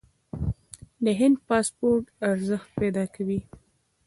د هند پاسپورت ارزښت پیدا کوي.